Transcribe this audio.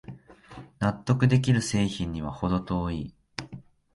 納得できる製品にはほど遠い